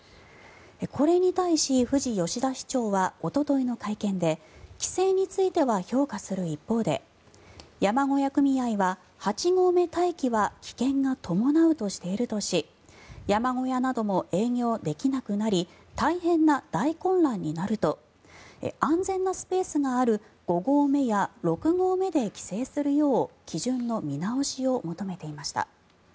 これに対し、富士吉田市長はおとといの会見で規制については評価する一方で山小屋組合は８合目待機は危険が伴うとしているとし山小屋なども営業できなくなり大変な大混乱になると安全なスペースがある５合目や６合目で規制するよう基準の見直しを求めていました。